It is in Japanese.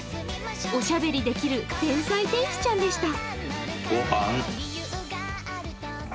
おしゃべりできる天才天使ちゃんでした。